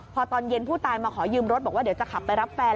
พอตอนเย็นผู้ตายมาขอยืมรถบอกว่าเดี๋ยวจะขับไปรับแฟน